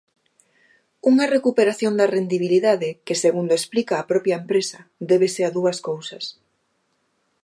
Unha recuperación da rendibilidade que segundo explica a propia empresa débese a dúas cousas.